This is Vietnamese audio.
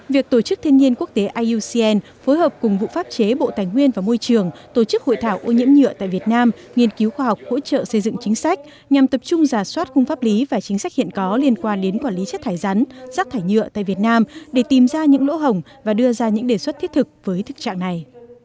việc tổ chức thiên nhiên quốc tế iucn phối hợp cùng vụ pháp chế bộ tài nguyên và môi trường tổ chức hội thảo ô nhiễm nhựa tại việt nam nghiên cứu khoa học hỗ trợ xây dựng chính sách nhằm tập trung giả soát khung pháp lý và chính sách hiện có liên quan đến quản lý chất thải rắn rắc thải nhựa tại việt nam để tìm ra những lỗ hồng và đưa ra những đề xuất thiết thực với thức trạng này